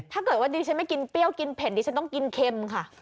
ถ้าเกิดว่าดิฉันไม่กินเปรี้ยวกินเผ็ดดิฉันต้องกินเค็มค่ะ